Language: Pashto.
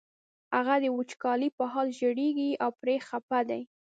هغه د وچکالۍ په حال ژړېږي او پرې خپه دی.